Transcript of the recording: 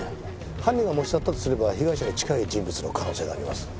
犯人が持ち去ったとすれば被害者に近い人物の可能性があります。